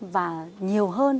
và nhiều hơn